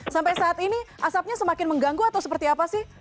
sampai saat ini asapnya semakin mengganggu atau seperti apa sih